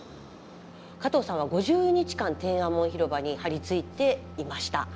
加藤さんは５０日間天安門広場に張り付いていました。